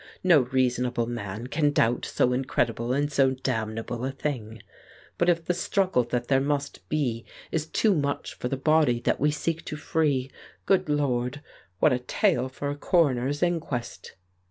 No reasonable man can doubt so incredible and so damnable a thing. But if the struggle that there must be is too much for the body that we seek to free, good Lord, what a tale for a coroner's inquest